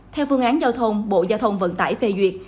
theo phương án giao thông bộ giao thông vận tải phê duyệt